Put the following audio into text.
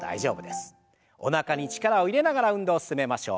おなかに力を入れながら運動進めましょう。